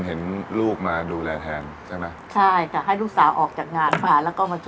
ตอนแรกก็กลัวเหมือนกัน